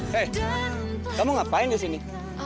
hei kamu ngapain di sini